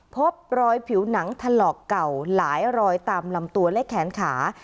พบรอยผิวหนังถลอกเก่าหลายรอยตามลำตัวและแขนขา